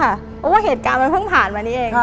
เพราะว่าเหตุการณ์มันเพิ่งผ่านมานี้เอง